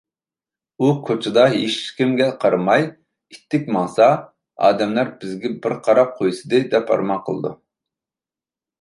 ئۇ كوچىدا ھېچكىمگە قارىماي ئىتتىك ماڭسا، ئادەملەر بىزگە بىر قاراپ قويسىدى! دەپ ئارمان قىلىدۇ.